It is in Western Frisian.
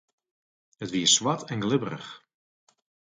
It wie swart en glibberich.